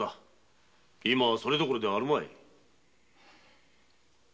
今はそれどころではあるまい。